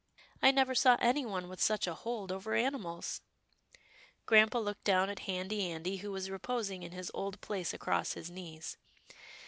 " I never saw anyone with such a hold over animals." Grampa looked down at Handy Andy who was reposing in his old place across his knees.